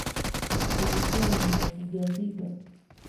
Tulikuwa na mazigaziga